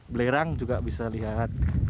belerang juga bisa dilihat